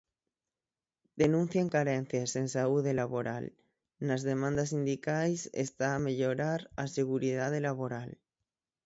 Denuncian carencias en saúde laboral Nas demandas sindicais está mellorar a seguridade laboral.